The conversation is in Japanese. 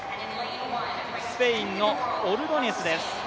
スペインのオルドニェスです。